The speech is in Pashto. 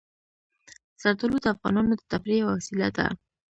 زردالو د افغانانو د تفریح یوه وسیله ده.